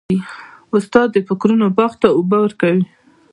استاد د فکرونو باغ ته اوبه ورکوي.